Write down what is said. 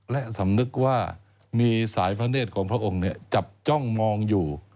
และสำนึกว่ามีสายพระเนธของพระองค์จับจ้องมองอยู่